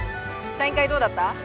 サイン会どうだった？